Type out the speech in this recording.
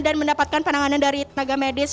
dan mendapatkan penanganan dari tenaga medis